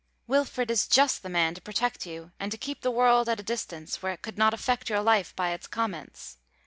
Wilfred is just the man to protect you and to keep the world at a distance, where it could not affect your life by its comments.